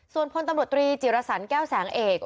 ส่วนพลตำรวจตรีจิรสันแก้วแสงเอก